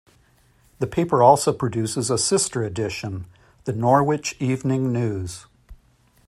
The paper also produces a sister edition, the "Norwich Evening News".